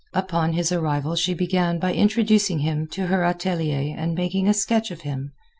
Upon his arrival she began by introducing him to her atelier and making a sketch of him.